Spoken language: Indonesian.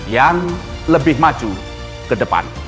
yang lebih maju ke depan